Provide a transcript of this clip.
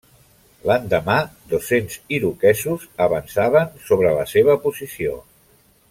L'endemà, dos-cents iroquesos avançaven sobre la seva posició.